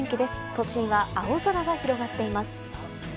都心は青空が広がっています。